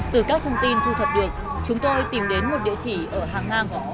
từ các thông tin thu thập được chúng tôi tìm đến một địa chỉ ở hàng ngang